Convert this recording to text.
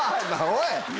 おい！